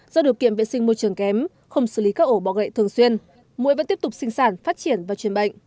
do điều kiện vệ sinh môi trường kém không xử lý các ổ bọ gậy thường xuyên mũi vẫn tiếp tục sinh sản phát triển và truyền bệnh